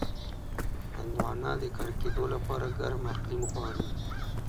هندوانه د کر کېدو لپاره ګرم اقلیم غواړي.